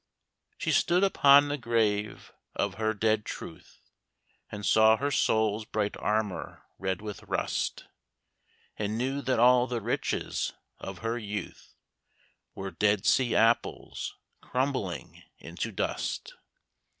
She stood upon the grave of her dead truth, And saw her soul's bright armor red with rust, And knew that all the riches of her youth Were Dead Sea apples, crumbling into dust.